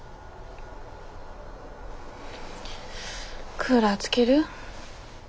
クーラーつける？